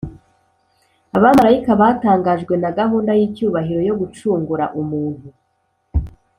Abamarayika batangajwe na gahunda y’icyubahiro yo gucungura (umuntu)